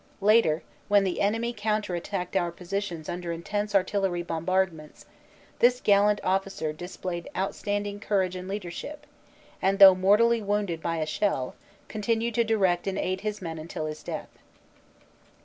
Later, when the enemy counter attacked our positions under intense artillery bombardments, this gallant officer displayed outstand ing courage and leadership, and, though mortally wounded by a shell, continued to direct and aid his men until his death.